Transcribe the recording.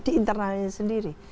di internalnya sendiri